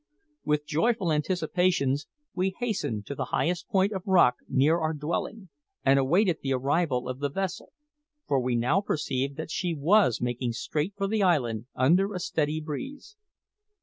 With joyful anticipations we hastened to the highest point of rock near our dwelling and awaited the arrival of the vessel, for we now perceived that she was making straight for the island under a steady breeze.